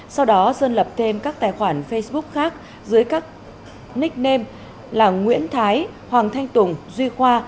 sau đó sơn lập thêm các tài khoản facebook khác dưới các nickname là nguyễn thái hoàng thanh tùng duy khoa